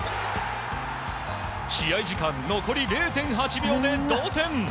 試合時間残り０．８秒で同点。